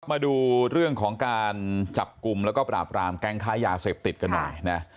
มาดูเรื่องของการจับกลุ่มแล้วก็ปราบรามแก๊งค้ายาเสพติดกันหน่อยนะ